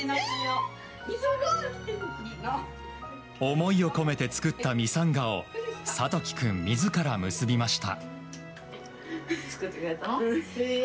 思いを込めて作ったミサンガを諭樹君自ら結びました。